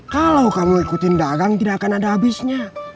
kalau kamu ikutin dagang tidak akan ada habisnya